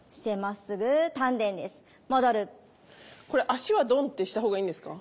足はドンってした方がいいんですか？